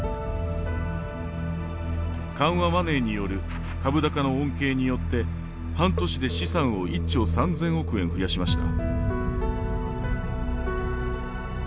緩和マネーによる株高の恩恵によって半年で資産を１兆３，０００億円増やしました。